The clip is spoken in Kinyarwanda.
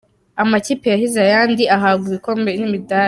Amakipe yahize ayandi ahabwa ibikombe n'imidali.